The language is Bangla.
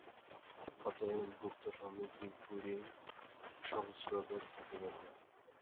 অতএব গুপ্তসমিতিগুলির সংস্রবে থাকিবেন না।